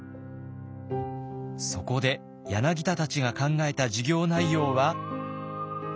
そこで柳田たちが考えた授業内容は。